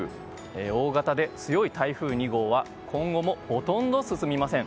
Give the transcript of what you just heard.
大型で強い台風２号は今後もほとんど進みません。